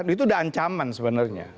itu udah ancaman sebenarnya